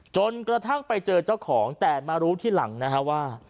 จนกระทั่งไปเจอเจ้าของแต่มารู้ที่หลังนะฮะว่า